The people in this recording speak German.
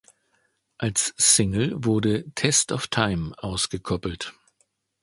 Als Single wurde "Test of Time" ausgekoppelt.